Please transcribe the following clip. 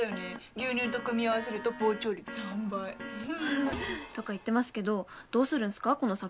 牛乳と組み合わせると膨張率３倍。とか言ってますけどどうするんすかこの先。